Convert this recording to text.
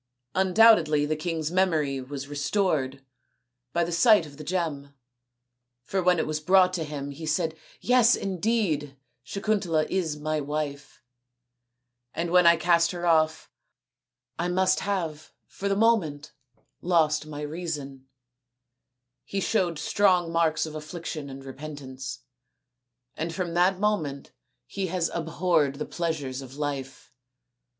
" Undoubtedly the king's memory was restored by the sight of the gem, for when it was brought to him he said, c Yes, indeed, Sakuntala is my wife, and when I cast her off I must have, for the moment, lost 242 THE INDIAN STORY BOOK my reason/ He showed strong marks of affliction and repentance, and from that moment he has ab horred the pleasures of life.